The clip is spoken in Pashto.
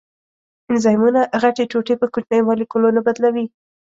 انزایمونه غټې ټوټې په کوچنیو مالیکولونو بدلوي.